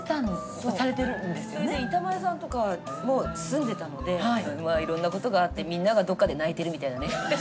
それで板前さんとかも住んでたのでいろんなことがあってみんながどっかで泣いてるみたいなね。